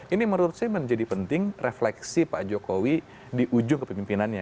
ini menurut saya menjadi penting refleksi pak jokowi di ujung kepemimpinannya